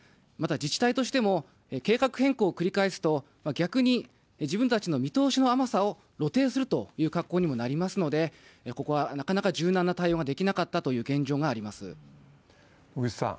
また、自治体としても計画変更を繰り返すと、逆に自分たちの見通しの甘さを露呈するという格好になりますので、ここはなかなか柔軟な対応ができなかったという現状があります。